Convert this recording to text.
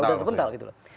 ya sudah terpental